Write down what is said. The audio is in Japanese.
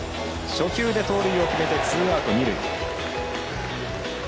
初球で盗塁を決めてツーアウト、二塁。